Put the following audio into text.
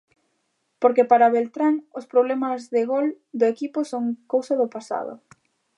Porque para Beltrán, os problemas de gol do equipo son cousa do pasado.